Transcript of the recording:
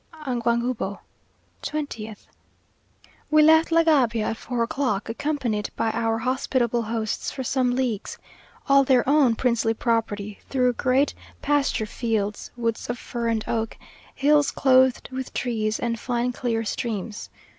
ANGANGUBO, 20th. We left La Gabia at four o'clock, accompanied by our hospitable hosts for some leagues, all their own princely property, through great pasture fields, woods of fir and oak, hills clothed with trees, and fine clear streams.